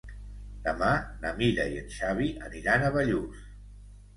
Demà na Mira i en Xavi aniran a Bellús.